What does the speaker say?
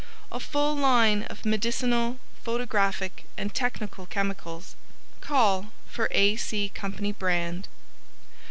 A full line of Medicinal, Photographic and Technical Chemicals. Call for A. C. Co. Brand.